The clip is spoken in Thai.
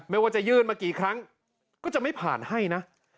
ว่าจะยื่นมากี่ครั้งก็จะไม่ผ่านให้นะ